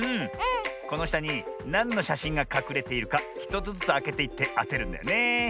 このしたになんのしゃしんがかくれているか１つずつあけていってあてるんだよねえ。